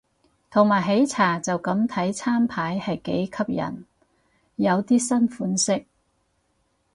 同埋喜茶就咁睇餐牌係幾吸引，有啲新款式